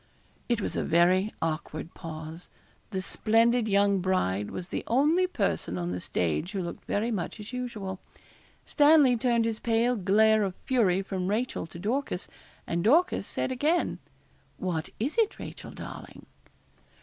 It was a very awkward pause. The splendid young bride was the only person on the stage who looked very much as usual. Stanley turned his pale glare of fury from Rachel to Dorcas, and Dorcas said again, 'What is it, Rachel, darling?'